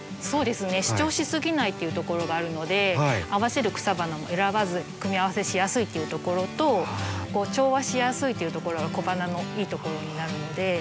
そうですね主張しすぎないっていうところがあるので合わせる草花も選ばず組み合わせしやすいっていうところと調和しやすいっていうところが小花のいいところになるので。